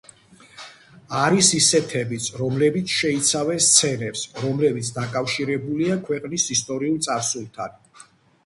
არის ისეთებიც, რომლებიც შეიცავენ სცენებს, რომლებიც დაკავშირებულია ქვეყნის ისტორიულ წარსულთან.